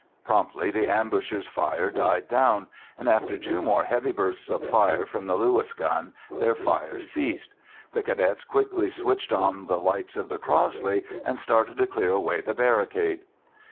Promptly the ambushers' fire died down, and after two more heavy bursts of fire from the Lewis gun their fire ceased. The Cadets quickly switched on the lights of the Crossley, and started to clear away the barricade.